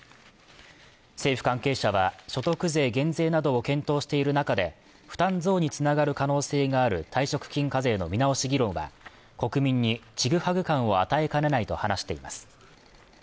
政府関係者は所得税減税などを検討している中で負担増につながる可能性がある退職金課税の見直し議論が国民にちぐはぐ感を与えかねないと話しています